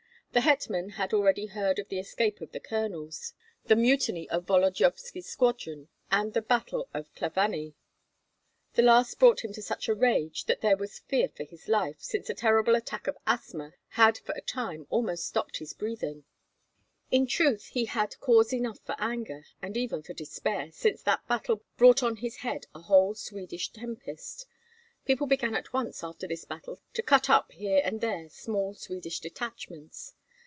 The hetman had heard already of the escape of the colonels, the mutiny of Volodyovski's squadron, and the battle of Klavany; the last brought him to such rage that there was fear for his life, since a terrible attack of asthma had for a time almost stopped his breathing. In truth he had cause enough for anger, and even for despair, since that battle brought on his head a whole Swedish tempest. People began at once after this battle to cut up here and there small Swedish detachments.